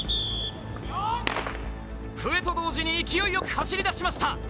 笛と同時に勢いよく走り出しました。